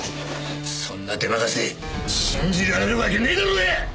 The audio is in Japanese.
そんなデマカセ信じられるわけねえだろうが！